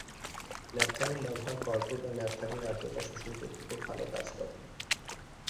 Naphthalene ব্যবহার কর্পূর বা ন্যাপথলিন আর্দ্রতা শোষণ করতে খুব ভালো কাজ করে।